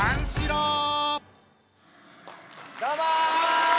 どうも！